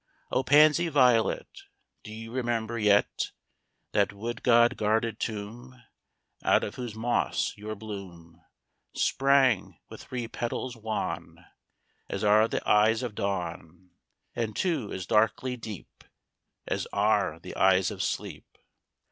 VI O pansy violet, Do you remember yet That wood god guarded tomb, Out of whose moss your bloom Sprang, with three petals wan As are the eyes of dawn; And two as darkly deep As are the eyes of sleep?